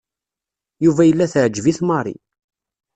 Yuba yella teɛǧeb-it Mary.